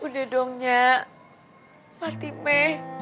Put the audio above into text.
udah dong ya fatime